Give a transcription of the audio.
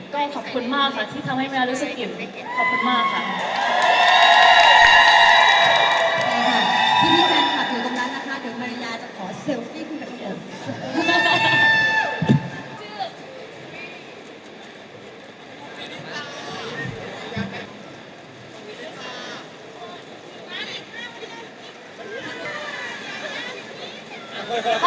ก็ขอบคุณมากค่ะที่ทำให้แมวรู้สึกอิ่มเม็ดขอบคุณมากค่ะ